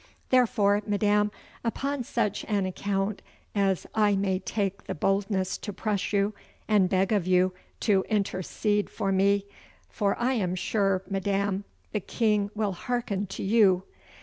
Therefore, madam, upon such an account as I may take the boldness to press you and beg of you to intersaid for me, for I am sure, madam, the King will hearken to you.